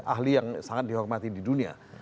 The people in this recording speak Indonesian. ahli yang sangat dihormati di dunia